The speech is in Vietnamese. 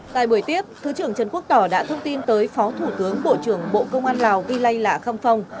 tại buổi tiếp thứ trưởng trần quốc tỏ đã thông tin tới phó thủ tướng bộ trưởng bộ công an lào vy lai lạc khăm phong